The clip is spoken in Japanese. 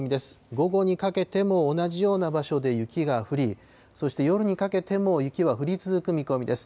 午後にかけても同じような場所で雪が降り、そして夜にかけても雪は降り続く見込みです。